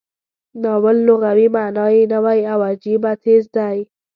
ناول لغوي معنا یې نوی او عجیبه څیز دی.